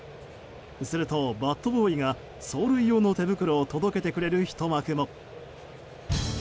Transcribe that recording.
すると、バットボーイが走塁用の手袋を届けてくれるひと幕も。